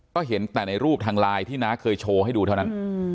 ก็เห็นแต่ในรูปทางไลน์ที่น้าเคยโชว์ให้ดูเท่านั้น